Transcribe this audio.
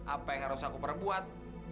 apa yang harus aku perbuat